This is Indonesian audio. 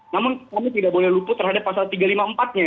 namun kami tidak boleh luput terhadap pasal tiga ratus lima puluh empat nya